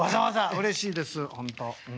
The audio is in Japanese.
うれしいです本当。